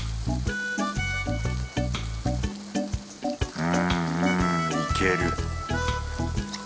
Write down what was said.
うんうんいける。